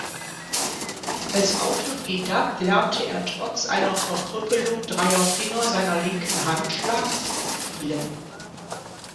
Als Autodidakt lernte er trotz einer Verkrüppelung dreier Finger seiner linken Hand Schlagzeugspielen.